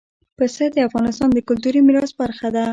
پسه د افغانستان د کلتوري میراث برخه ده.